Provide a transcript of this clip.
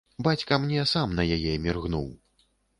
Бацька мне сам на яе міргнуў.